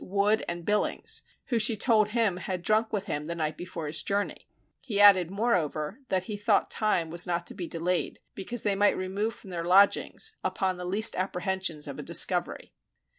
Wood and Billings (who she told him, had drunk with him the night before his journey). He added, moreover, that he thought time was not to be delayed, because they might remove from their lodgings upon the least apprehensions of a discovery.